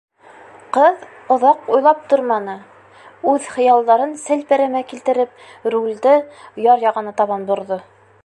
Ҡыҙ оҙаҡ уйлап торманы: үҙ хыялдарын селпәрәмә килтереп, рулде яр яғына табан борҙо.